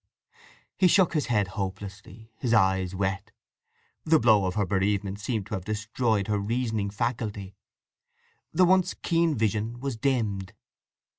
He shook his head hopelessly, his eyes wet. The blow of her bereavement seemed to have destroyed her reasoning faculty. The once keen vision was dimmed.